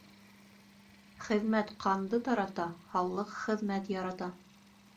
Хеҙмәт ҡанды тарата, Һаулыҡ хеҙмәт ярата.